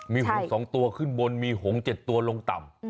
มีหงศรสองตัวขึ้นบนหงศรเจ็ดตัวลงต่ำ